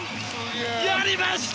やりました！